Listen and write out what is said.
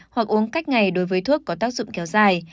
hoặc uống cách ngày đối với thuốc có tác dụng kéo dài